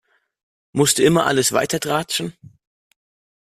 Musst du immer alles weitertratschen?